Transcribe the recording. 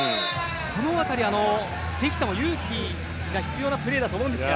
この辺り、関田も勇気が必要なプレーだと思うんですが。